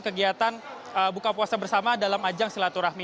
kegiatan buka puasa bersama dalam ajang silaturahmi